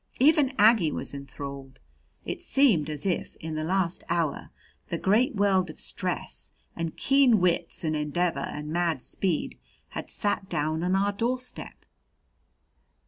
Even Aggie was enthralled. It seemed as if, in the last hour, the great world of stress and keen wits and endeavor and mad speed had sat down on our door step.